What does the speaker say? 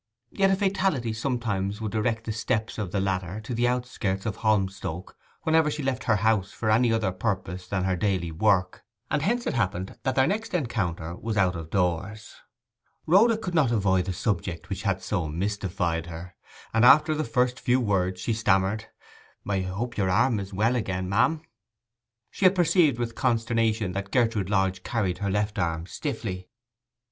Yet a fatality sometimes would direct the steps of the latter to the outskirts of Holmstoke whenever she left her house for any other purpose than her daily work; and hence it happened that their next encounter was out of doors. Rhoda could not avoid the subject which had so mystified her, and after the first few words she stammered, 'I hope your—arm is well again, ma'am?' She had perceived with consternation that Gertrude Lodge carried her left arm stiffly.